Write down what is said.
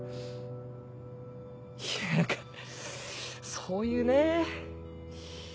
いや何かそういうね。